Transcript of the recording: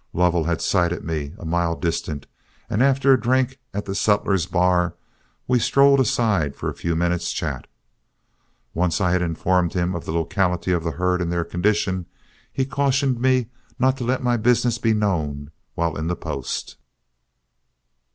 Lovell had sighted me a mile distant, and after a drink at the sutler's bar, we strolled aside for a few minutes' chat. Once I had informed him of the locality of the herd and their condition, he cautioned me not to let my business be known while in the post.